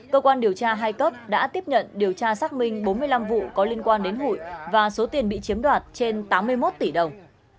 cơ quan điều tra hai cấp đã tiếp nhận điều tra xác minh bốn mươi năm vụ có liên quan đến hụi và số tiền bị chiếm đoạt trên tám mươi một tỷ đồng